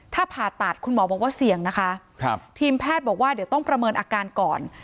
ถ้าผ่าตัดคุณหมอบอกว่าเสี่ยงนะคะทีมแพทย์บอกว่าเดี๋ยวต้องประเมินอาการก่อน